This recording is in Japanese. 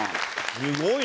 すごいね。